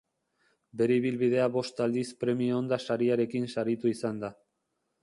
Bere ibilbidea bost aldiz Premio Ondas sariarekin saritu izan da.